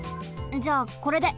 じゃあこれで。